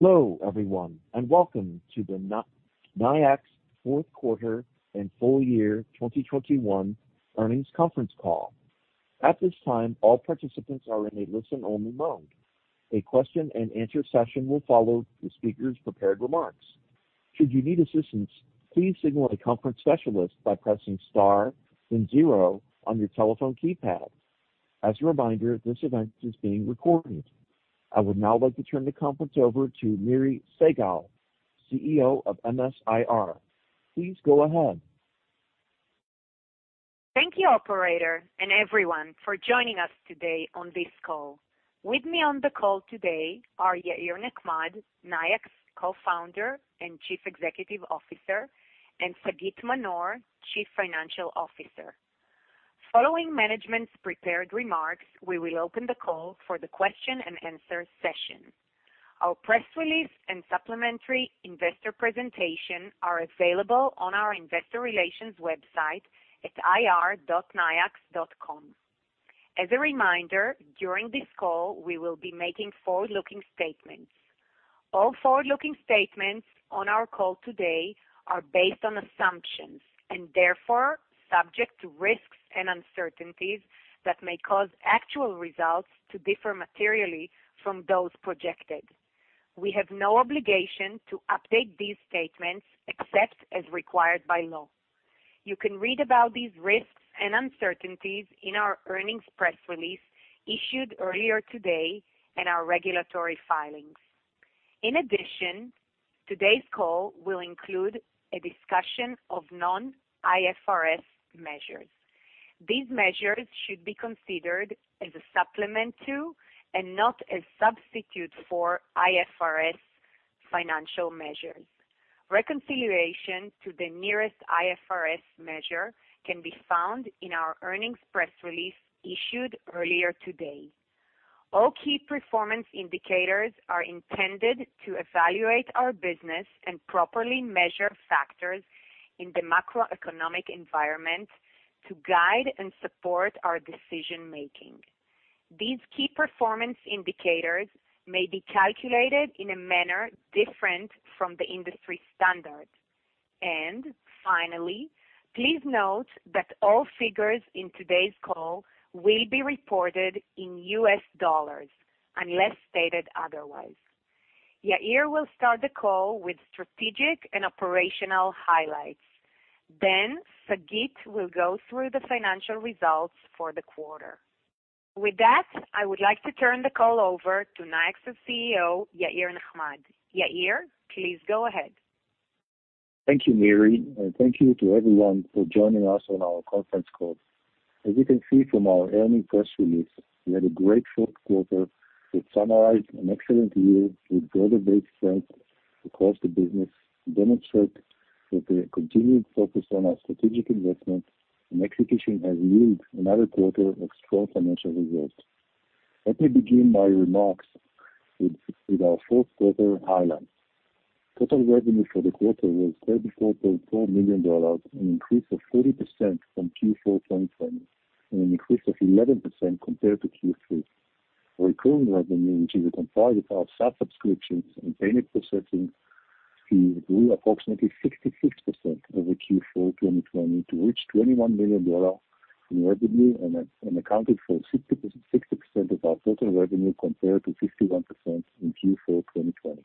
Hello, everyone, and welcome to the Nayax fourth quarter and full year 2021 earnings conference call. At this time, all participants are in a listen-only mode. A question-and-answer session will follow the speaker's prepared remarks. Should you need assistance, please signal the conference specialist by pressing star then zero on your telephone keypad. As a reminder, this event is being recorded. I would now like to turn the conference over to Miri Segal, CEO of MS-IR. Please go ahead. Thank you, operator, and everyone for joining us today on this call. With me on the call today are Yair Nechmad, Nayax Co-Founder and Chief Executive Officer, and Sagit Manor, Chief Financial Officer. Following management's prepared remarks, we will open the call for the question-and-answer session. Our press release and supplementary investor presentation are available on our investor relations website at ir.nayax.com. As a reminder, during this call, we will be making forward-looking statements. All forward-looking statements on our call today are based on assumptions and therefore subject to risks and uncertainties that may cause actual results to differ materially from those projected. We have no obligation to update these statements except as required by law. You can read about these risks and uncertainties in our earnings press release issued earlier today and our regulatory filings. In addition, today's call will include a discussion of non-IFRS measures. These measures should be considered as a supplement to and not a substitute for IFRS financial measures. Reconciliation to the nearest IFRS measure can be found in our earnings press release issued earlier today. All key performance indicators are intended to evaluate our business and properly measure factors in the macroeconomic environment to guide and support our decision-making. These key performance indicators may be calculated in a manner different from the industry standard. Finally, please note that all figures in today's call will be reported in U.S. dollars unless stated otherwise. Yair will start the call with strategic and operational highlights. Then Sagit will go through the financial results for the quarter. With that, I would like to turn the call over to Nayax's CEO, Yair Nechmad. Yair, please go ahead. Thank you, Miri, and thank you to everyone for joining us on our conference call. As you can see from our earnings press release, we had a great fourth quarter that summarized an excellent year with broader-based strength across the business to demonstrate that the continued focus on our strategic investment and execution has yielded another quarter of strong financial results. Let me begin my remarks with our fourth quarter highlights. Total revenue for the quarter was $34.4 million, an increase of 40% from Q4 2020, and an increase of 11% compared to Q3. Recurring revenue, which is comprised of our SaaS subscriptions and payment processing fee, grew approximately 66% over Q4 2020 to reach $21 million in revenue and accounted for 60% of our total revenue, compared to 51% in Q4 2020.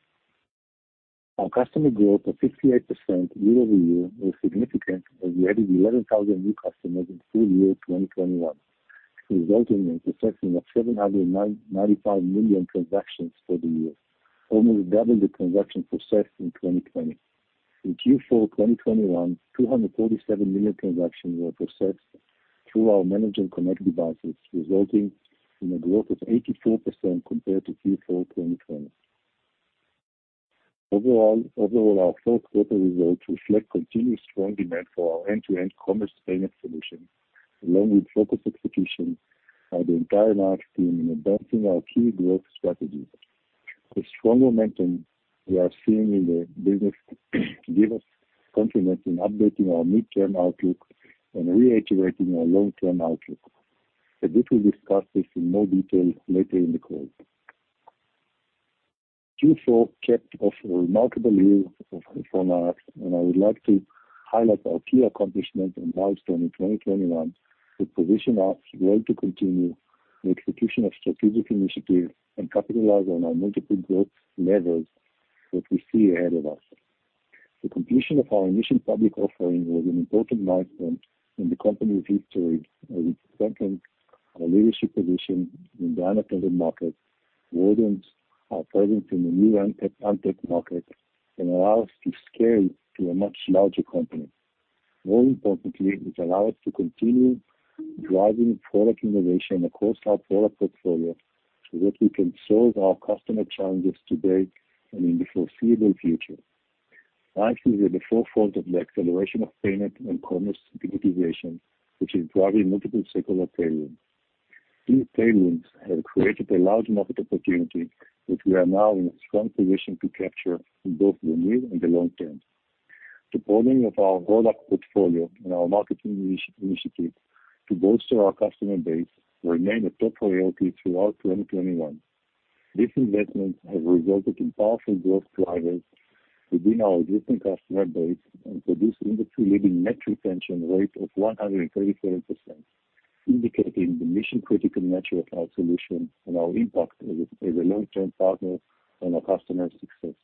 Our customer growth of 58% year-over-year was significant as we added 11,000 new customers in full year 2021, resulting in processing of 795 million transactions for the year, almost double the transactions processed in 2020. In Q4 2021, 247 million transactions were processed through our managed and connected devices, resulting in a growth of 84% compared to Q4 2020. Overall, our fourth quarter results reflect continued strong demand for our end-to-end commerce payment solutions, along with focused execution by the entire Nayax team in advancing our key growth strategies. The strong momentum we are seeing in the business give us confidence in updating our midterm outlook and reactivating our long-term outlook. We will discuss this in more detail later in the call. Q4 capped off a remarkable year for Nayax, and I would like to highlight our key accomplishments and milestones in 2021 that position us well to continue the execution of strategic initiatives and capitalize on our multiple growth levers that we see ahead of us. The completion of our initial public offering was an important milestone in the company's history as it strengthened our leadership position in the independent market, broadened our presence in the new and untapped markets, and allow us to scale to a much larger company. More importantly, it allow us to continue driving product innovation across our product portfolio so that we can solve our customer challenges today and in the foreseeable future. Nayax is at the forefront of the acceleration of payment and commerce digitization, which is driving multiple secular tailwinds. These tailwinds have created a large market opportunity which we are now in a strong position to capture in both the near and the long term. The broadening of our product portfolio and our marketing initiative to bolster our customer base remained a top priority throughout 2021. These investments have resulted in powerful growth drivers within our existing customer base and produced industry-leading net retention rate of 134%, indicating the mission-critical nature of our solution and our impact as a long-term partner in our customers' success.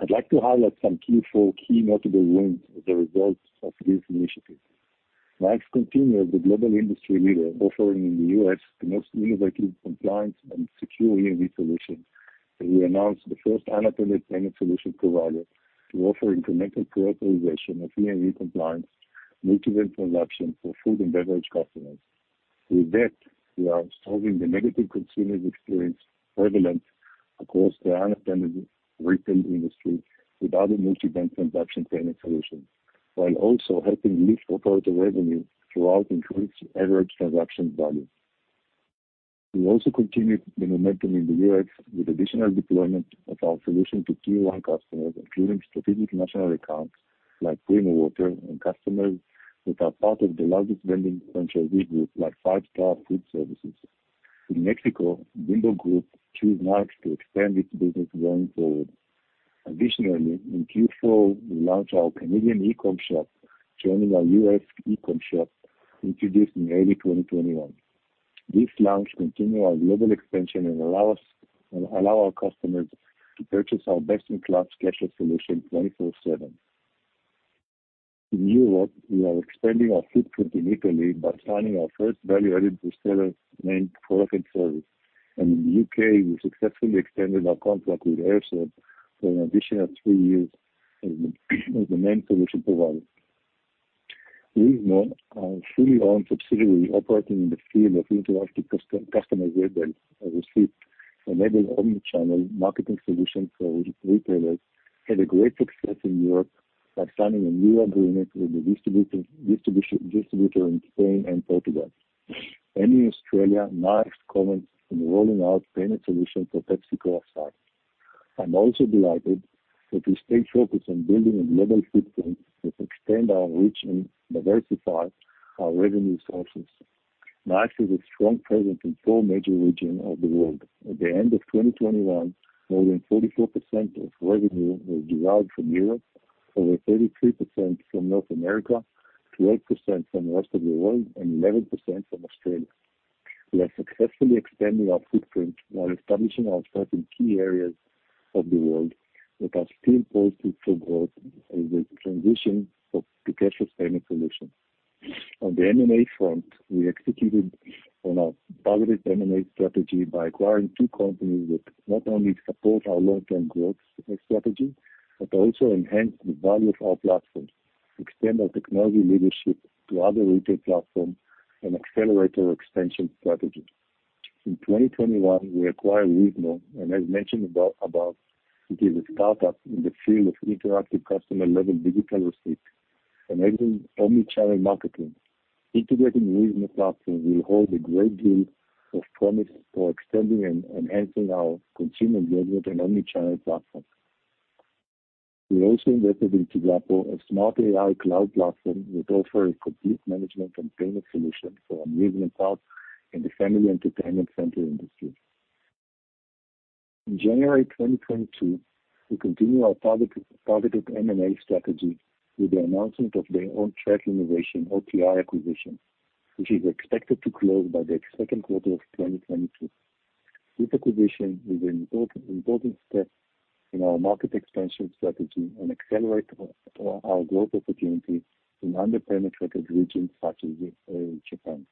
I'd like to highlight some Q4 key notable wins as a result of these initiatives. Nayax continues as the global industry leader, offering in the U.S. the most innovative compliance and secure EMV solutions. We announced the first unattended payment solution provider to offer incremental authorization of EMV compliance, multi-bank transaction for food and beverage customers. With that, we are solving the negative consumer experience prevalent across the unattended retail industry without a multi-bank transaction payment solution, while also helping lift operator revenue through our increased average transaction value. We also continued the momentum in the U.S. with additional deployment of our solution to tier one customers, including strategic national accounts like Waterlogic and customers that are part of the largest vending franchisee groups like Five Star Food Service. In Mexico, Grupo Bimbo choose Nayax to expand its business going forward. Additionally, in Q4, we launched our Canadian eCom shop, joining our U.S. eCom shop introduced in early 2021. This launch continue our global expansion and allow our customers to purchase our best-in-class cashless solution 24/7. In Europe, we are expanding our footprint in Italy by signing our first value-added reseller named Product Service. In the U.K., we successfully extended our contract with Airserv for an additional three years as the main solution provider. Weezmo, our fully-owned subsidiary operating in the field of interactive customer web-based receipts, enabling omnichannel marketing solutions for retailers, had a great success in Europe by signing a new agreement with the distributor in Spain and Portugal. In Australia, Nayax commenced in rolling out payment solutions for PepsiCo sites. I'm also delighted that we stay focused on building a global footprint that extend our reach and diversify our revenue sources. Nayax has a strong presence in four major regions of the world. At the end of 2021, more than 44% of revenue was derived from Europe, over 33% from North America, 12% from rest of the world, and 11% from Australia. We are successfully expanding our footprint while establishing our presence in key areas of the world that are still poised for growth as they transition to cashless payment solutions. On the M&A front, we executed on our targeted M&A strategy by acquiring two companies that not only support our long-term growth strategy, but also enhance the value of our platform, extend our technology leadership to other retail platforms, and accelerate our expansion strategy. In 2021, we acquired Weezmo, and as mentioned above, it is a startup in the field of interactive customer-level digital receipts, enabling omnichannel marketing. Integrating Weezmo platform will hold a great deal of promise for extending and enhancing our consumer engagement and omnichannel platform. We also invested into Tigapo, a smart AI cloud platform that offer a complete management and payment solution for amusement parks in the family entertainment center industry. In January 2022, we continue our targeted M&A strategy with the announcement of the On Track Innovations, OTI, acquisition, which is expected to close by the second quarter of 2022. This acquisition is an important step in our market expansion strategy and accelerate our growth opportunity in under-penetrated regions such as Japan.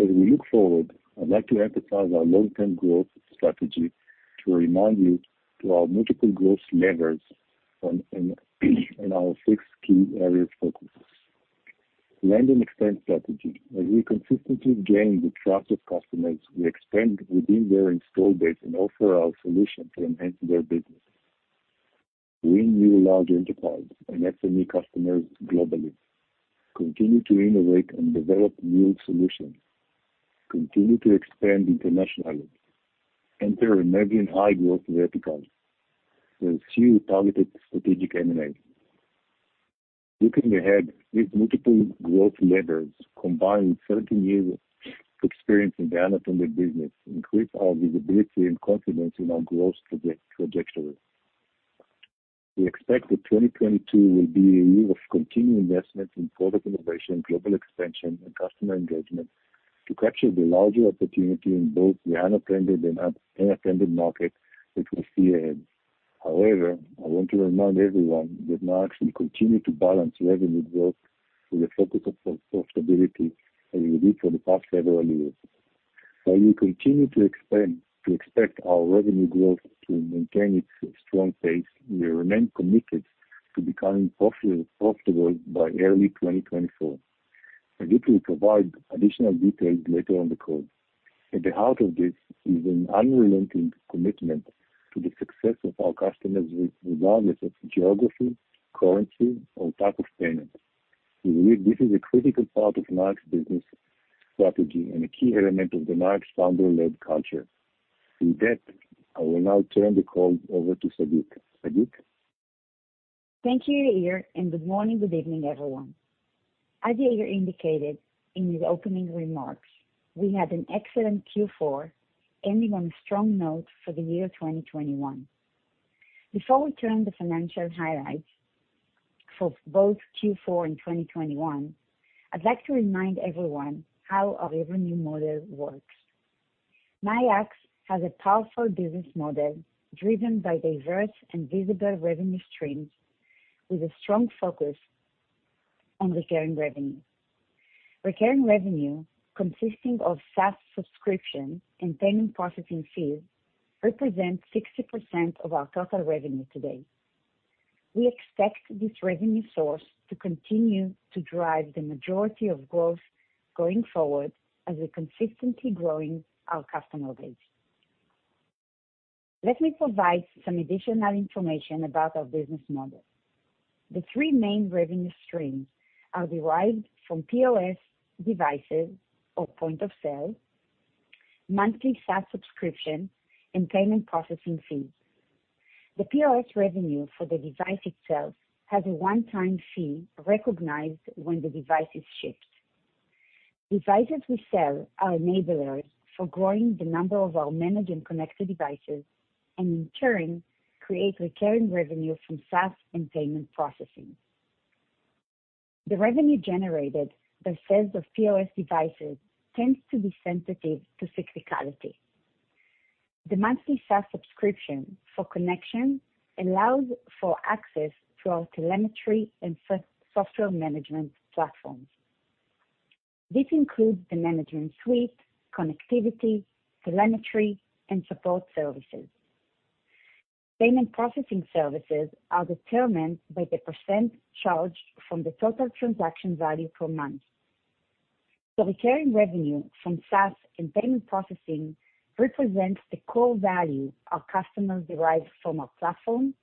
As we look forward, I'd like to emphasize our long-term growth strategy to remind you of our multiple growth levers in our six key areas of focus. Land and expand strategy. As we consistently gain the trust of customers, we expand within their install base and offer our solution to enhance their business. Win new large enterprise and SME customers globally. Continue to innovate and develop new solutions. Continue to expand internationally. Enter emerging high-growth verticals. Pursue targeted strategic M&A. Looking ahead, these multiple growth levers, combined with 13 years of experience in the unattended business, increase our visibility and confidence in our growth trajectory. We expect that 2022 will be a year of continued investment in product innovation, global expansion, and customer engagement to capture the larger opportunity in both the unattended and attended market, which we see ahead. However, I want to remind everyone that Nayax will continue to balance revenue growth with a focus on profitability as we did for the past several years. While we continue to expect our revenue growth to maintain its strong pace, we remain committed to becoming profitable by early 2024. Sagit will provide additional details later on the call. At the heart of this is an unrelenting commitment to the success of our customers regardless of geography, currency or type of payment. We believe this is a critical part of Nayax business strategy and a key element of the Nayax founder-led culture. With that, I will now turn the call over to Sagit. Sagit? Thank you, Yair, and good morning, good evening, everyone. As Yair indicated in his opening remarks, we had an excellent Q4, ending on a strong note for the year 2021. Before we turn to the financial highlights for both Q4 and 2021, I'd like to remind everyone how our revenue model works. Nayax has a powerful business model driven by diverse and visible revenue streams with a strong focus on recurring revenue. Recurring revenue, consisting of SaaS subscription and payment processing fees, represents 60% of our total revenue today. We expect this revenue source to continue to drive the majority of growth going forward as we're consistently growing our customer base. Let me provide some additional information about our business model. The three main revenue streams are derived from POS devices or point of sale, monthly SaaS subscription, and payment processing fees. The POS revenue for the device itself has a one-time fee recognized when the device is shipped. Devices we sell are enablers for growing the number of our managed and connected devices and, in turn, create recurring revenue from SaaS and payment processing. The revenue generated by sales of POS devices tends to be sensitive to cyclicality. The monthly SaaS subscription for connection allows for access to our telemetry and software management platforms. This includes the management suite, connectivity, telemetry, and support services. Payment processing services are determined by the percent charged from the total transaction value per month. The recurring revenue from SaaS and payment processing represents the core value our customers derive from our platform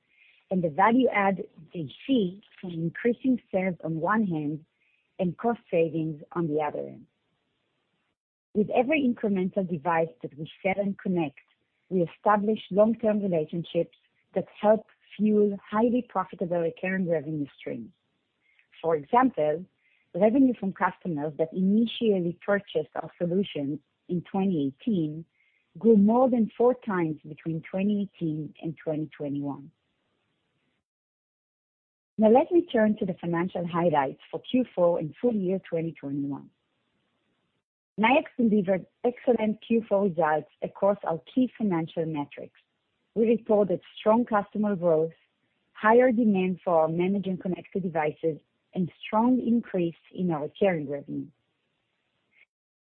and the value add they see from increasing sales on one hand and cost savings on the other end. With every incremental device that we sell and connect, we establish long-term relationships that help fuel highly profitable recurring revenue streams. For example, revenue from customers that initially purchased our solution in 2018 grew more than 4 times between 2018 and 2021. Now let me turn to the financial highlights for Q4 and full year 2021. Nayax delivered excellent Q4 results across our key financial metrics. We reported strong customer growth, higher demand for our managed and connected devices, and strong increase in our recurring revenue.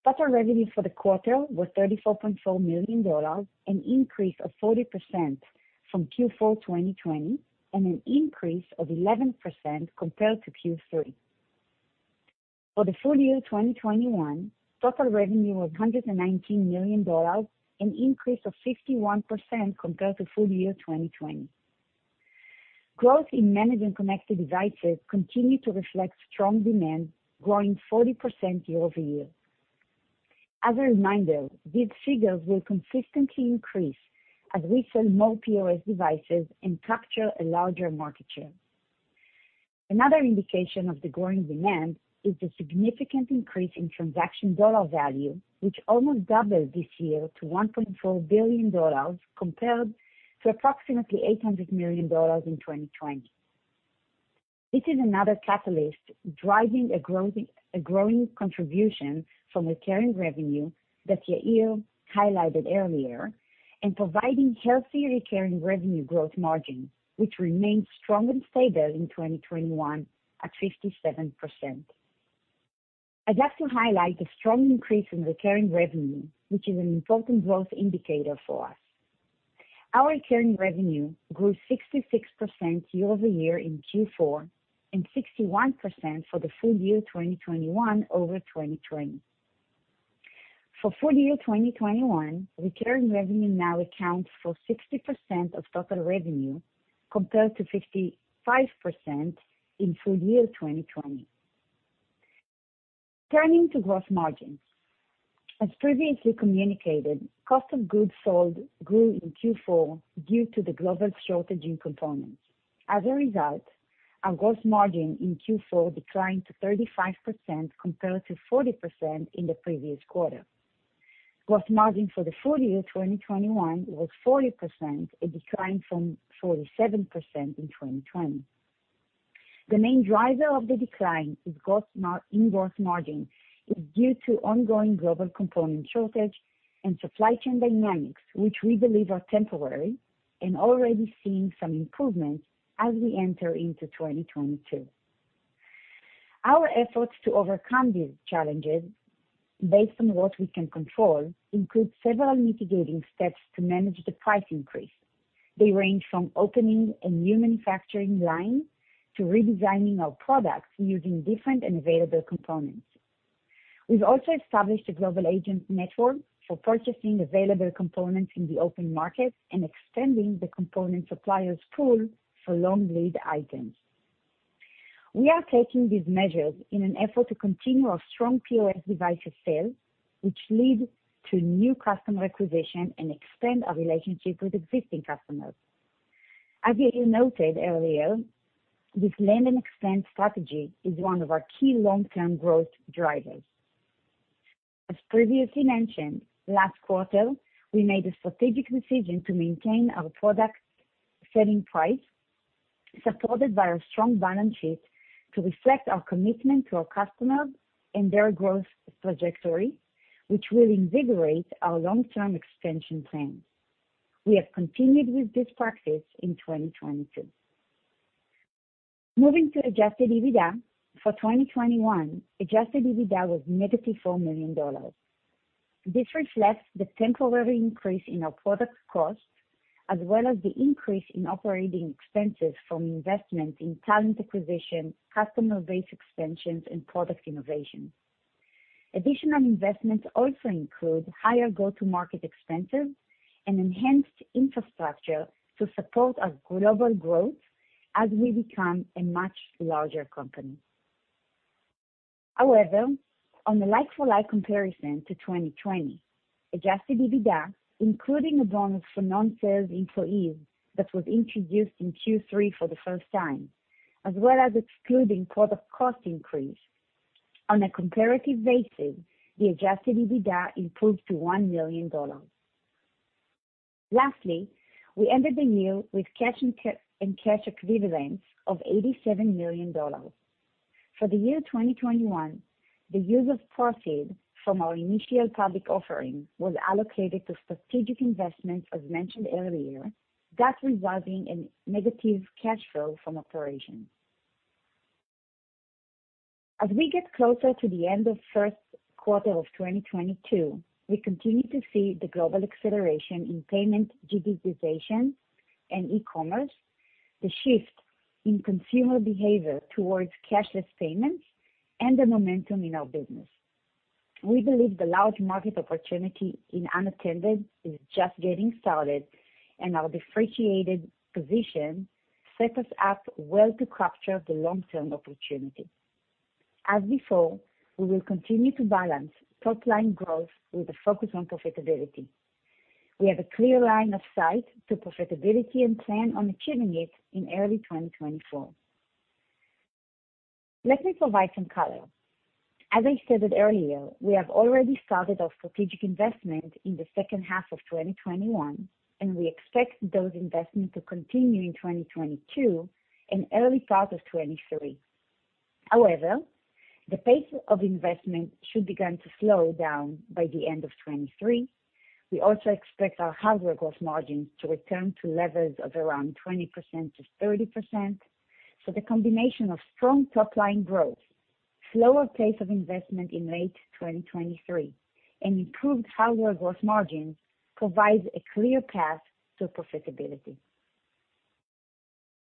Total revenue for the quarter was $34.4 million, an increase of 40% from Q4 2020, and an increase of 11% compared to Q3. For the full year 2021, total revenue was $119 million, an increase of 51% compared to full year 2020. Growth in managed and connected devices continued to reflect strong demand, growing 40% year-over-year. As a reminder, these figures will consistently increase as we sell more POS devices and capture a larger market share. Another indication of the growing demand is the significant increase in transaction dollar value, which almost doubled this year to $1.4 billion, compared to approximately $800 million in 2020. This is another catalyst driving a growing contribution from recurring revenue that Yair highlighted earlier and providing healthy recurring revenue growth margin, which remained strong and stable in 2021 at 57%. I'd like to highlight the strong increase in recurring revenue, which is an important growth indicator for us. Our recurring revenue grew 66% year-over-year in Q4, and 61% for the full year 2021 over 2020. For full year 2021, recurring revenue now accounts for 60% of total revenue, compared to 55% in full year 2020. Turning to gross margins. As previously communicated, cost of goods sold grew in Q4 due to the global shortage in components. As a result, our gross margin in Q4 declined to 35% compared to 40% in the previous quarter. Gross margin for the full year 2021 was 40%, a decline from 47% in 2020. The main driver of the decline in gross margin is due to ongoing global component shortage and supply chain dynamics which we believe are temporary and already seeing some improvements as we enter into 2022. Our efforts to overcome these challenges based on what we can control include several mitigating steps to manage the price increase. They range from opening a new manufacturing line to redesigning our products using different and available components. We've also established a global agent network for purchasing available components in the open market and extending the component suppliers pool for long lead items. We are taking these measures in an effort to continue our strong POS devices sales, which lead to new customer acquisition and extend our relationship with existing customers. As Yair noted earlier, this land and expand strategy is one of our key long-term growth drivers. As previously mentioned, last quarter, we made a strategic decision to maintain our product selling price, supported by our strong balance sheet, to reflect our commitment to our customers and their growth trajectory, which will invigorate our long-term expansion plans. We have continued with this practice in 2022. Moving to adjusted EBITDA for 2021, adjusted EBITDA was -$4 million. This reflects the temporary increase in our product costs, as well as the increase in operating expenses from investments in talent acquisition, customer base extensions, and product innovation. Additional investments also include higher go-to-market expenses and enhanced infrastructure to support our global growth as we become a much larger company. However, on a like-for-like comparison to 2020, adjusted EBITDA, including a bonus for non-sales employees that was introduced in Q3 for the first time, as well as excluding product cost increase, on a comparative basis, the adjusted EBITDA improved to $1 million. Lastly, we ended the year with cash and cash equivalents of $87 million. For the year 2021, the use of proceeds from our initial public offering was allocated to strategic investments as mentioned earlier. That resulting in negative cash flow from operations. As we get closer to the end of first quarter of 2022, we continue to see the global acceleration in payment digitization and e-commerce, the shift in consumer behavior towards cashless payments, and the momentum in our business. We believe the large market opportunity in unattended is just getting started, and our differentiated position set us up well to capture the long-term opportunity. As before, we will continue to balance top-line growth with a focus on profitability. We have a clear line of sight to profitability and plan on achieving it in early 2024. Let me provide some color. As I stated earlier, we have already started our strategic investment in the second half of 2021, and we expect those investments to continue in 2022 and early part of 2023. However, the pace of investment should begin to slow down by the end of 2023. We also expect our hardware gross margins to return to levels of around 20%-30%. The combination of strong top-line growth, slower pace of investment in late 2023, and improved hardware gross margin provides a clear path to profitability.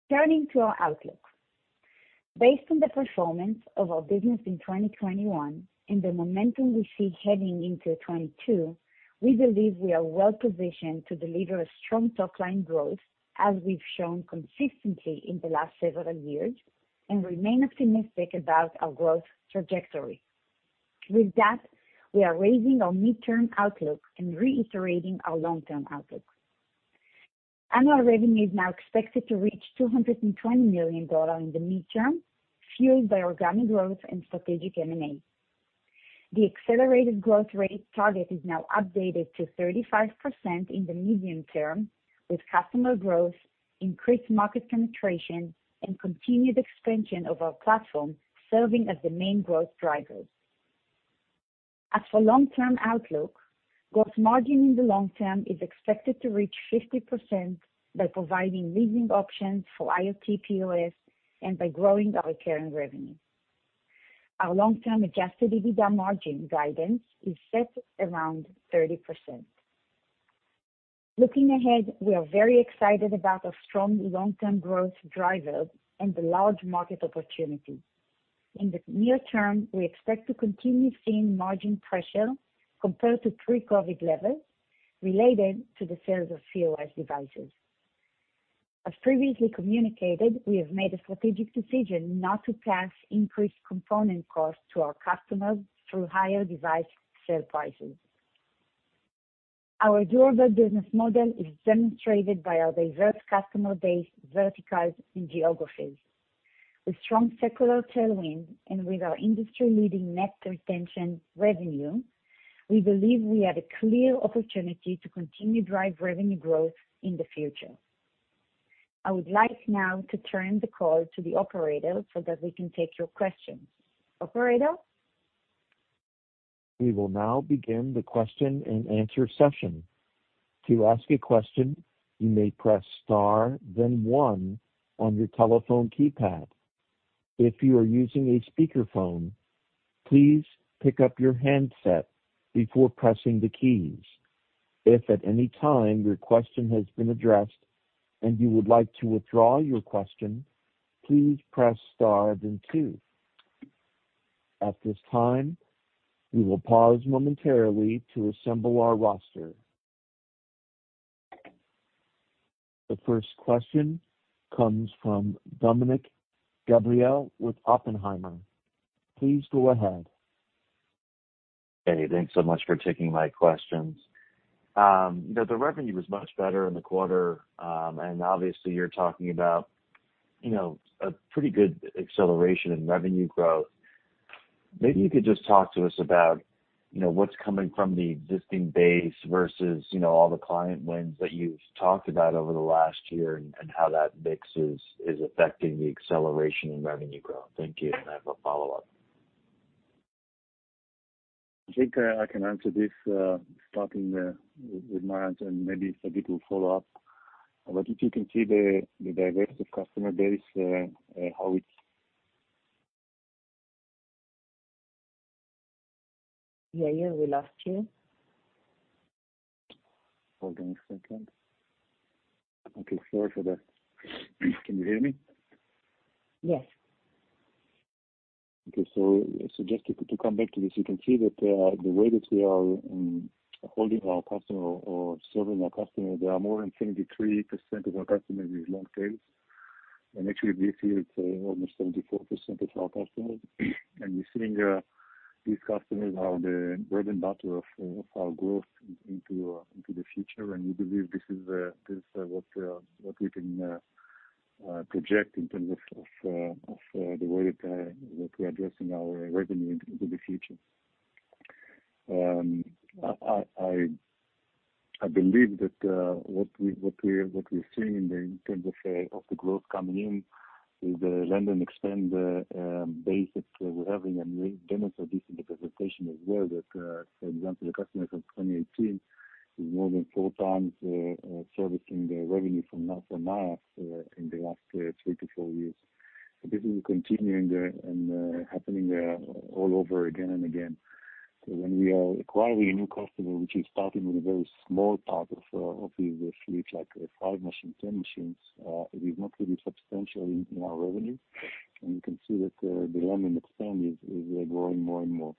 Turning to our outlook. Based on the performance of our business in 2021 and the momentum we see heading into 2022, we believe we are well positioned to deliver a strong top-line growth as we've shown consistently in the last several years and remain optimistic about our growth trajectory. With that, we are raising our midterm outlook and reiterating our long-term outlook. Annual revenue is now expected to reach $220 million in the midterm, fueled by organic growth and strategic M&A. The accelerated growth rate target is now updated to 35% in the medium term, with customer growth, increased market penetration, and continued expansion of our platform serving as the main growth drivers. As for long-term outlook, gross margin in the long term is expected to reach 50% by providing leasing options for IoT POS and by growing our recurring revenue. Our long-term adjusted EBITDA margin guidance is set around 30%. Looking ahead, we are very excited about our strong long-term growth drivers and the large market opportunity. In the near term, we expect to continue seeing margin pressure compared to pre-COVID levels related to the sales of POS devices. As previously communicated, we have made a strategic decision not to pass increased component costs to our customers through higher device sale prices. Our durable business model is demonstrated by our diverse customer base verticals and geographies. With strong secular tailwind and with our industry-leading net retention revenue, we believe we have a clear opportunity to continue drive revenue growth in the future. I would like now to turn the call to the operator so that we can take your questions. Operator? We will now begin the question-and-answer session. To ask a question, you may press star then one on your telephone keypad. If you are using a speakerphone, please pick up your handset before pressing the keys. If at any time your question has been addressed and you would like to withdraw your question, please press star then two. At this time, we will pause momentarily to assemble our roster. The first question comes from Dominick Gabriele with Oppenheimer. Please go ahead. Hey, thanks so much for taking my questions. The revenue was much better in the quarter. Obviously you're talking about, you know, a pretty good acceleration in revenue growth. Maybe you could just talk to us about, you know, what's coming from the existing base versus, you know, all the client wins that you've talked about over the last year, and how that mix is affecting the acceleration in revenue growth. Thank you. I have a follow-up. I think I can answer this, starting with Marat, and maybe Sagit will follow up. If you can see the diversity of customer base, how it's Yair, we lost you. Hold on a second. Okay, sorry for that. Can you hear me? Yes. Okay, just to come back to this, you can see that the way that we are holding our customer or serving our customer, there are more than 73% of our customers is long tails. Actually, this year it's almost 74% of our customers. We're seeing these customers are the bread and butter of our growth into the future. We believe this is what we can project in terms of the way that we're addressing our revenue into the future. I believe that what we're seeing in terms of the growth coming in is the land and expand base that we're having. We demonstrated this in the presentation as well, that for example, the customers of 2018 is more than 4 times servicing their revenue from last in the last 3 to 4 years. This is continuing there and happening all over again and again. When we are acquiring a new customer, which is starting with a very small part of the fleet, like 5 machines, 10 machines, it is not really substantial in our revenue. You can see that the land and expand is growing more and more.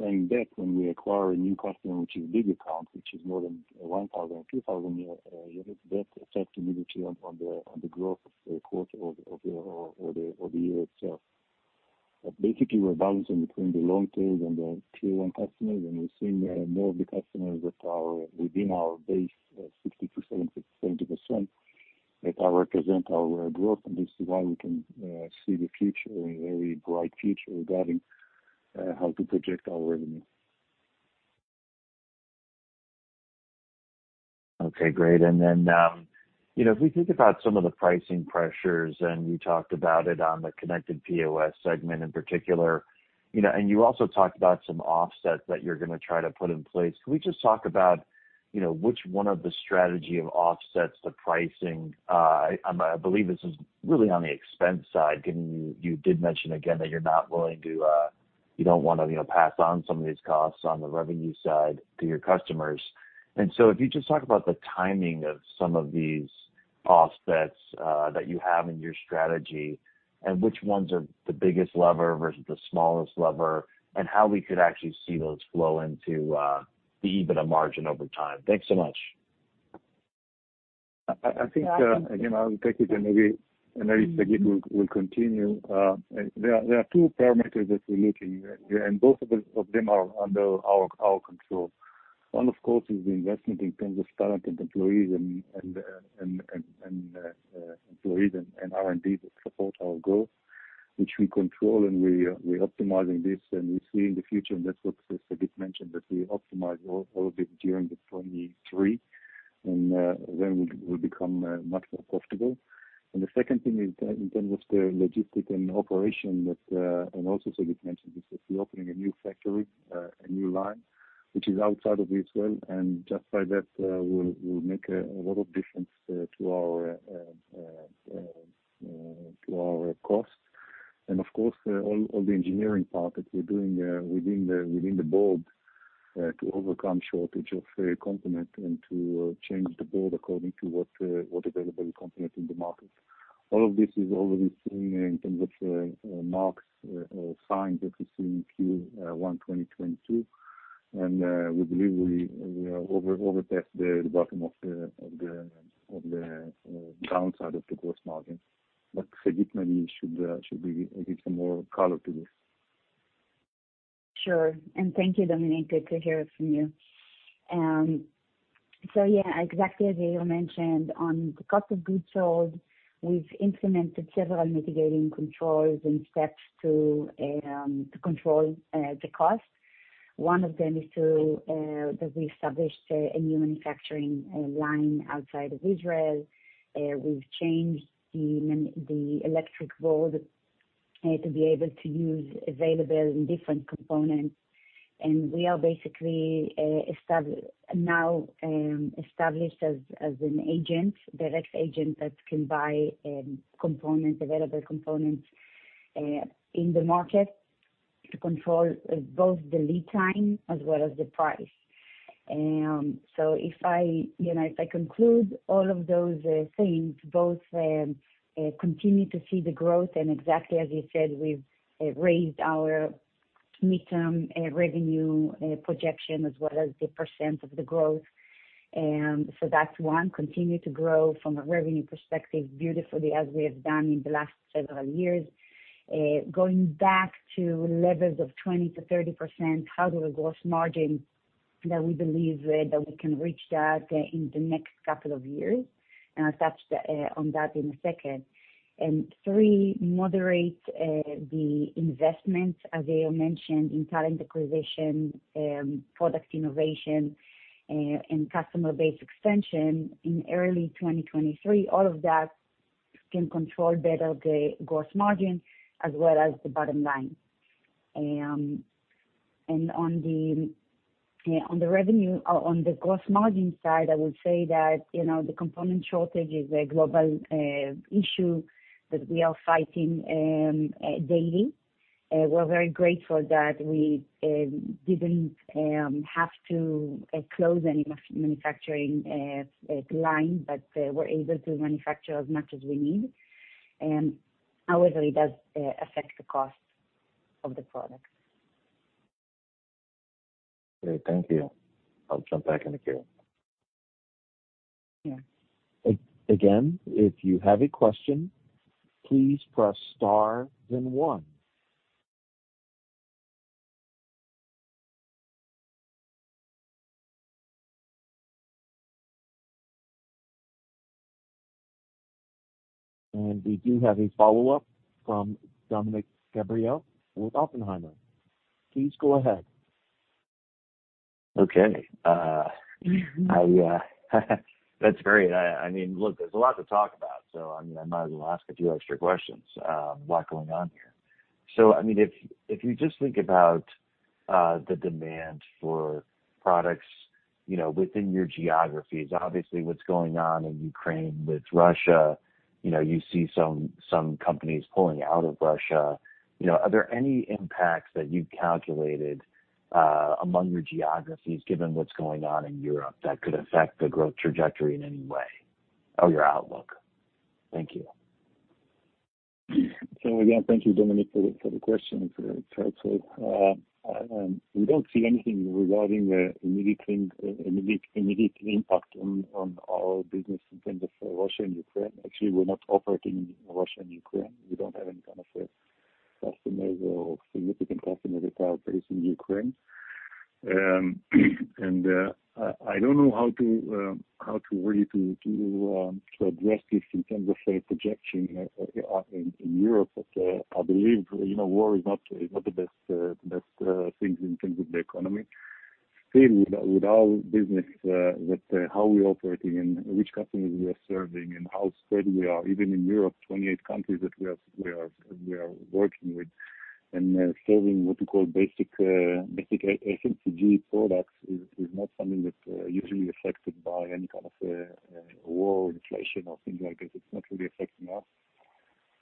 Same but when we acquire a new customer, which is big account, which is more than 1,000-2,000 units, that affects immediately on the growth of the quarter or the year itself. Basically, we're balancing between the long tail and the tier one customers, and we're seeing more of the customers that are within our base, 60-70% that represent our growth. This is why we can see the future, a very bright future regarding how to project our revenue. Okay, great. You know, if we think about some of the pricing pressures, and you talked about it on the connected POS segment in particular, you know. You also talked about some offsets that you're gonna try to put in place. Can we just talk about, you know, which ones of the strategies offset the pricing? I believe this is really on the expense side. You did mention again that you're not willing to, you don't wanna, you know, pass on some of these costs on the revenue side to your customers. If you just talk about the timing of some of these offsets, that you have in your strategy and which ones are the biggest lever versus the smallest lever, and how we could actually see those flow into the EBITDA margin over time. Thanks so much. I think again I will take it and maybe Sagit will continue. There are two parameters that we look in and both of them are under our control. One, of course, is the investment in terms of talent and employees and R&D that support our goal, which we control, and we're optimizing this, and we see in the future. That's what Sagit mentioned, that we optimize all of it during 2023, then we become much more profitable. The second thing is in terms of the logistics and operations that and also Sagit mentioned, is that we're opening a new factory, a new line which is outside of Israel. Just by that, we'll make a lot of difference to our costs. Of course, all the engineering part that we're doing within the board to overcome shortage of component and to change the board according to what's available components in the market. All of this is already seen in terms of marked signs that we see in Q1 2022. We believe we are past the bottom of the downside of the gross margin. Sagit maybe should add some more color to this. Sure. Thank you, Dominick. Good to hear it from you. Exactly as you mentioned, on the cost of goods sold, we've implemented several mitigating controls and steps to control the cost. One of them is that we established a new manufacturing line outside of Israel. We've changed the electric board to be able to use available and different components. We are basically now established as a direct agent that can buy components, available components, in the market to control both the lead time as well as the price. If I, you know, if I conclude all of those things, both continue to see the growth and exactly as you said, we've raised our midterm revenue projection as well as the percent of the growth. That's one, continue to grow from a revenue perspective beautifully as we have done in the last several years. Going back to levels of 20%-30%, how about the gross margin that we believe we can reach in the next couple of years? I'll touch on that in a second. Three, moderate the investment, as I mentioned, in talent acquisition, product innovation, and customer base expansion in early 2023. All of that can control better the gross margin as well as the bottom line. On the revenue or on the gross margin side, I would say that, you know, the component shortage is a global issue that we are fighting daily. We're very grateful that we didn't have to close any manufacturing line, but we're able to manufacture as much as we need. However, it does affect the cost of the products. Okay, thank you. I'll jump back into queue. Yeah. We do have a follow-up from Dominick Gabriele with Oppenheimer. Please go ahead. Okay. That's great. I mean, look, there's a lot to talk about, so I mean I might as well ask a few extra questions. A lot going on here. I mean if you just think about the demand for products, you know, within your geographies, obviously what's going on in Ukraine with Russia, you know you see some companies pulling out of Russia. You know are there any impacts that you calculated among your geographies, given what's going on in Europe, that could affect the growth trajectory in any way or your outlook? Thank you. Again, thank you, Dominick, for the question. It's very thoughtful. We don't see anything regarding the immediate impact on our business in terms of Russia and Ukraine. Actually, we're not operating in Russia and Ukraine. We don't have any kind of customers or significant customers that are based in Ukraine. I don't know how to really address this in terms of a projection in Europe. But I believe, you know, war is not the best thing in terms of the economy. Still with our business, with how we're operating and which customers we are serving and how spread we are even in Europe, 28 countries that we are working with and serving what we call basic FMCG products is not something that usually affected by any kind of war, inflation or things like this. It's not really affecting us.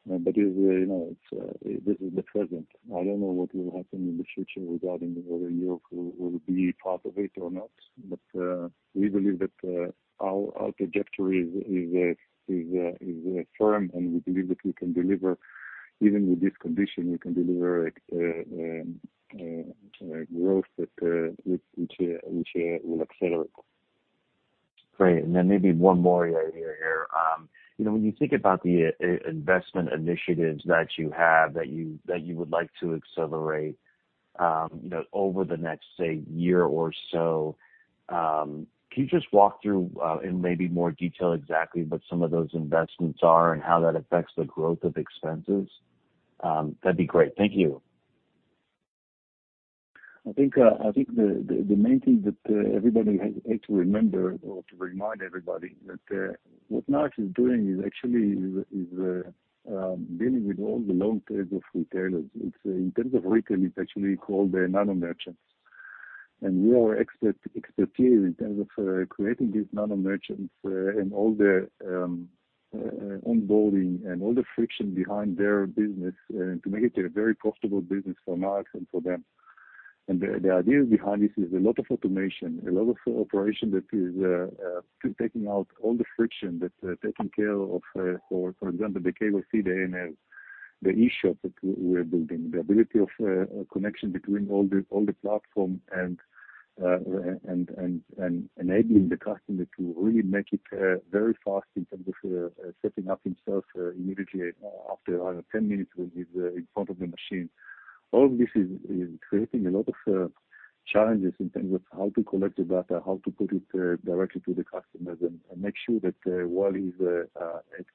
You know, it's this is the present. I don't know what will happen in the future regarding whether Europe will be part of it or not. We believe that our trajectory is firm, and we believe that we can deliver even with this condition, we can deliver growth that which will accelerate. Great. Maybe one more area here. You know, when you think about the investment initiatives that you would like to accelerate, you know, over the next, say, year or so, can you just walk through in maybe more detail exactly what some of those investments are and how that affects the growth of expenses? That'd be great. Thank you. I think the main thing that everybody has to remember or to remind everybody that what Nayax is doing is actually dealing with all the long tail of retailers. It's in terms of retail, it's actually called the nano merchants. We are expertise in terms of creating these nano merchants and all the onboarding and all the friction behind their business to make it a very profitable business for Nayax and for them. The idea behind this is a lot of automation, a lot of operation that is to taking out all the friction that's taking care of, for example, the cable feed, the MVP, the eShop that we're building, the ability of connection between all the platform and enabling the customer to really make it very fast in terms of setting up himself immediately after around 10 minutes when he's in front of the machine. All this is creating a lot of challenges in terms of how to collect the data, how to put it directly to the customers and make sure that while he's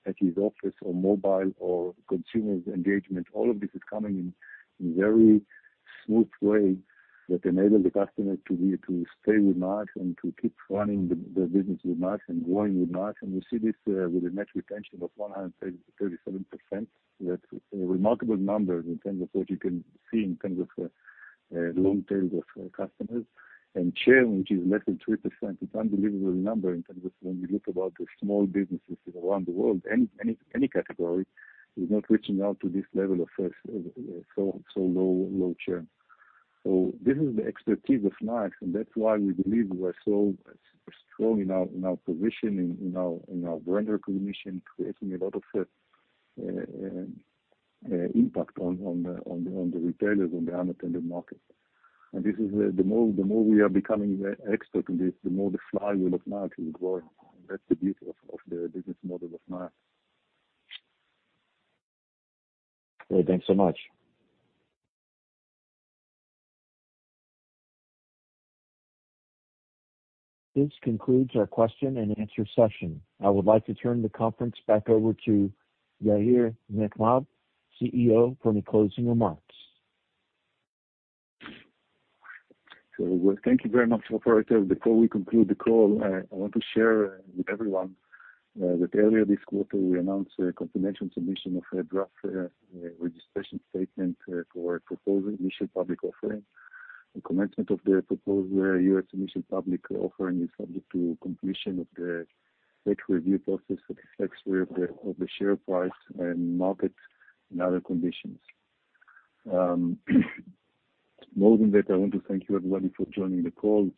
at his office or mobile or consumer's engagement, all of this is coming in in very smooth way that enable the customer to stay with Nayax and to keep running the business with Nayax and growing with Nayax. We see this with a net retention of 137%. That's a remarkable number in terms of what you can see in terms of long period of customers. Churn, which is less than 3%, it's unbelievable number in terms of when you look at the small businesses around the world, any category is not reaching this level of so low churn. This is the expertise of Nayax, and that's why we believe we are so strong in our position, in our brand recognition, creating a lot of impact on the retailers, on the unattended market. This is the more we are becoming expert in this, the more the flywheel of Nayax will grow. That's the beauty of the business model of Nayax. Great. Thanks so much. This concludes our question and answer session. I would like to turn the conference back over to Yair Nechmad, CEO, for any closing remarks. Thank you very much, operator. Before we conclude the call, I want to share with everyone, that earlier this quarter we announced confidential submission of a draft, registration statement for proposed initial public offering. The commencement of the proposed U.S. initial public offering is subject to completion of the SEC review process and determination of the share price and market and other conditions. More than that, I want to thank everybody for joining the call,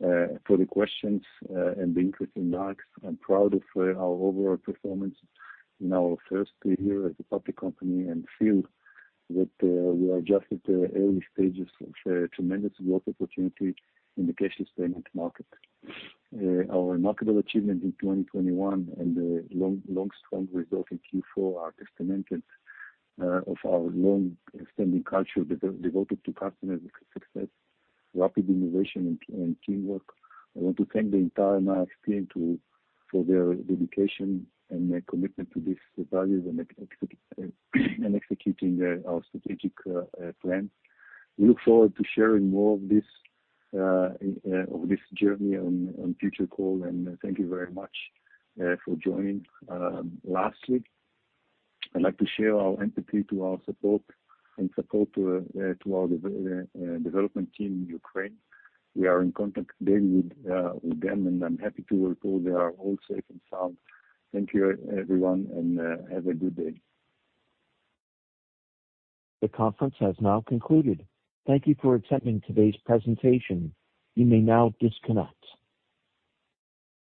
for the questions, and the interest in Nayax. I'm proud of our overall performance in our first year as a public company, and feel that, we are just at the early stages of a tremendous growth opportunity in the cashless payment market. Our remarkable achievement in 2021 and the strong results in Q4 are testimonies of our long-standing culture devoted to customer success, rapid innovation, and teamwork. I want to thank the entire Nayax's team for their dedication and their commitment to these values and executing our strategic plans. We look forward to sharing more of this journey on future calls, and thank you very much for joining. Lastly, I'd like to express our empathy and support to our development team in Ukraine. We are in contact daily with them, and I'm happy to report they are all safe and sound. Thank you everyone, and have a good day. The conference has now concluded. Thank you for attending today's presentation. You may now disconnect.